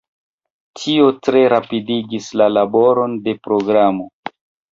Tio tre rapidigis la laboron de programo.